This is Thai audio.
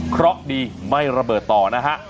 เพราะดีไม่ระเบิดต่อนะฮะ